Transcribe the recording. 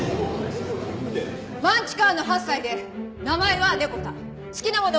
マンチカンの８歳で名前はネコ太。